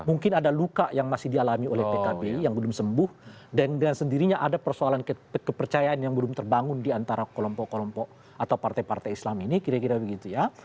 mungkin ada luka yang masih dialami oleh pkb yang belum sembuh dan dengan sendirinya ada persoalan kepercayaan yang belum terbangun di antara kelompok kelompok atau partai partai islam ini kira kira begitu ya